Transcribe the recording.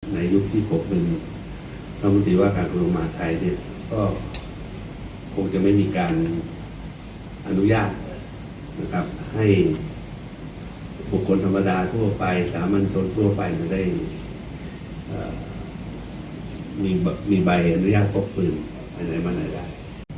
ในยุคที่ปกปืนพระมุทิว่าการกรุงมาร์ทไทยก็คงจะไม่มีการอนุญาตให้ปกคนธรรมดาทั่วไปสามัญชนทั่วไปจะได้มีใบอนุญาตปกปืนไหนไหนมาหน่อยได้